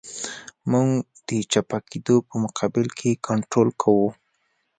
موږ د چپه کېدو په مقابل کې کنټرول کوو